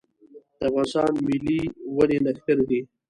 د افغانستان ملي ونې نښتر دی